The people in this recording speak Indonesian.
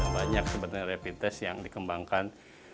banyak sebetulnya rapid test yang dikembangkan